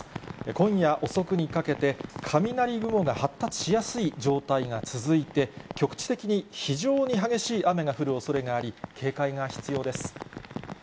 今夜遅くにかけて、雷雲が発達しやすい状態が続いて、局地的に非常に激しい雨が降るおそれがあり、警戒が必要です。